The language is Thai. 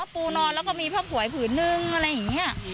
ปูนอนแล้วก็มีผ้าผวยผืนนึงอะไรอย่างนี้